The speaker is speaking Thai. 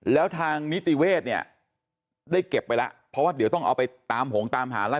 แล้วทางนิติเวศเนี่ยได้เก็บไปแล้วเพราะว่าเดี๋ยวต้องเอาไปตามหงตามหาไล่